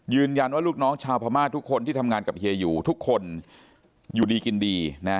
ลูกน้องชาวพม่าทุกคนที่ทำงานกับเฮียอยู่ทุกคนอยู่ดีกินดีนะ